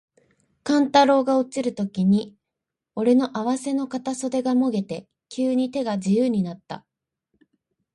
勘太郎が落ちるときに、おれの袷の片袖がもげて、急に手が自由になつた。